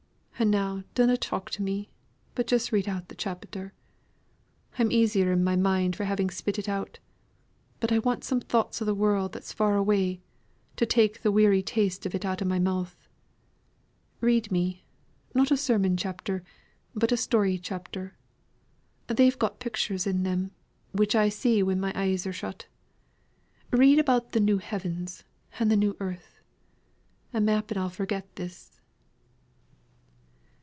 And now dunnot talk to me, but just read out th' chapter. I'm easier in my mind for having spit it out; but I want some thoughts of the world that's far away to take the weary taste of it out of my mouth. Read me not a sermon chapter, but a story chapter; they've pictures in them, which I see when my eyes are shut. Read about the New Heavens, and the New Earth; and m'appen I'll forget this."